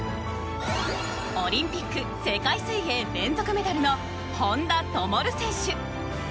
オリンピック世界水泳連続メダルの本多灯選手。